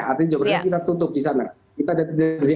artinya job ordernya kita tutup